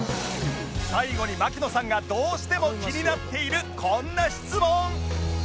最後に槙野さんがどうしても気になっているこんな質問！